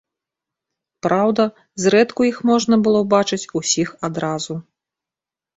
Праўда, зрэдку іх можна было ўбачыць усіх адразу.